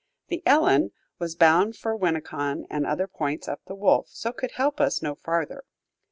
The "Ellen" was bound for Winneconne and other points up the Wolf, so could help us no farther.